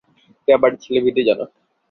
ব্যাপারটা ছিল ভীতিজনক।